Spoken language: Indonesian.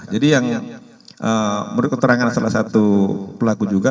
jadi yang menurut keterangan salah satu pelaku juga